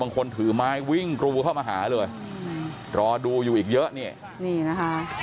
ถือไม้วิ่งกรูเข้ามาหาเลยรอดูอยู่อีกเยอะนี่นี่นะคะ